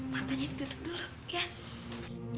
matanya ditutup dulu ya